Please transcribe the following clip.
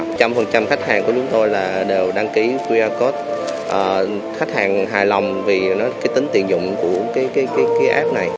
trăm phần trăm khách hàng của chúng tôi là đều đăng ký qr code khách hàng hài lòng vì tính tiền dụng của cái app này